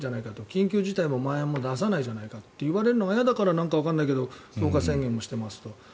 緊急事態もまん延も出さないじゃないかと言われるのが嫌だから何かわからないけど強化宣言をしていますと。